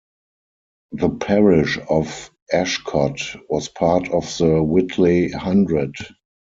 The parish of Ashcott was part of the Whitley Hundred.